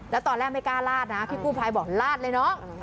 แล้วตอนแรกไม่กล้าลาดนะพี่กู้ภัยบอกลาดเลยน้อง